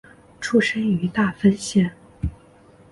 出身于大分县。